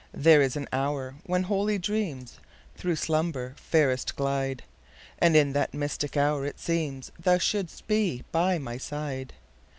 There is an hour when holy dreamsThrough slumber fairest glide; And in that mystic hour it seemsThou shouldst be by my side.